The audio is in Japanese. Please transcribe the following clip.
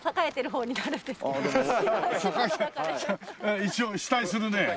一応下にするね。